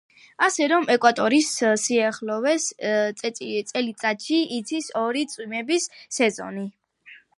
ასე რომ, ეკვატორის სიახლოვეს წელიწადში იცის ორი წვიმების სეზონი.